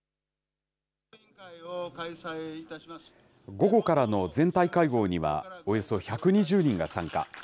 午後からの全体会合には、およそ１２０人が参加。